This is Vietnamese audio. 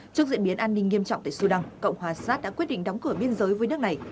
trước diễn biến an ninh nghiêm trọng tại sudan cộng hòa sát đã quyết định đóng cửa biên giới với nước này